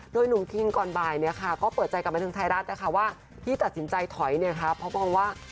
โดยหนุ่มคิงก่อนบ่ายเนี่ยค่ะ